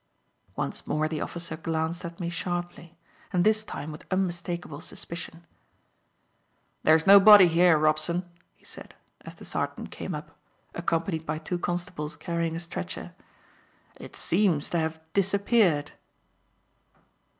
Once more the officer glanced at me sharply, and this time with unmistakable suspicion. "There's no body here, Robson," he said, as the sergeant came up, accompanied by two constables carrying a stretcher. "It seems to have disappeared."